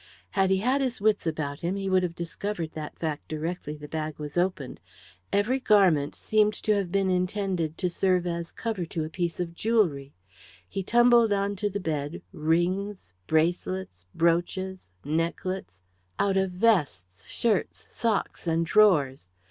Had he had his wits about him he would have discovered that fact directly the bag was opened. Every garment seemed to have been intended to serve as cover to a piece of jewellery. He tumbled on to the bed rings, bracelets, brooches, necklets; out of vests, shirts, socks, and drawers.